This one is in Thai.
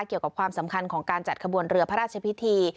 เกี่ยวกับความสำคัญของการจัดกระบวนเรือพระราชพิธี